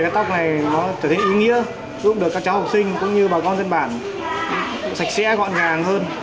cái tóc này nó trở thành ý nghĩa giúp được các cháu học sinh cũng như bà con dân bản sạch sẽ gọn gàng hơn